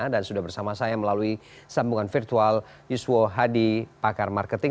dan sudah bersama saya melalui sambungan virtual yuswo hadi pakar marketing